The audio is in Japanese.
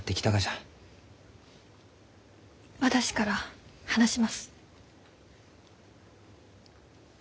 私から話します。